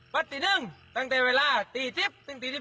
ปัจจุดหนึ่งตั้งแต่เวลา๔๐ถึง๔๒